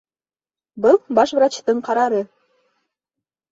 Был баш врачтың ҡарары!